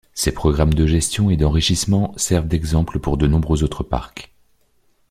Ses programmes de gestion et d'enrichissement servent d'exemples pour de nombreux autres parcs.